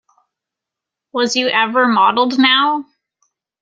Was you ever modelled now?